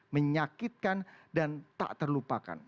menyakitkan dan tak terlupakan